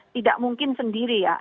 tidak mungkin sendiri ya